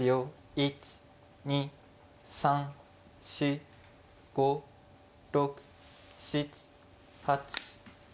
１２３４５６７８。